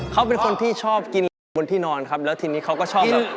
เขาเป็นคนที่ชอบกินเหล้าบนที่นอนครับแล้วทีนี้เขาก็ชอบแบบ